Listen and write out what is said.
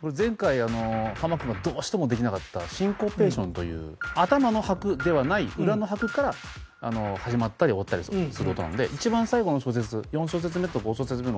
これ前回ハマ君がどうしてもできなかったシンコペーションという頭の拍ではない裏の拍から始まったり終わったりする音なので一番最後の小節４小節目と５小節目の。